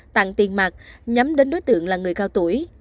tặng tiền mặt nhắm đến đối tượng là người cao tuổi